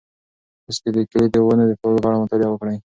تاسو د کیلې د ونو د پاللو په اړه مطالعه وکړئ.